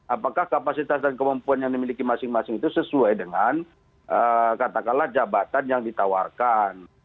apakah kapasitas dan kemampuan yang dimiliki masing masing itu sesuai dengan katakanlah jabatan yang ditawarkan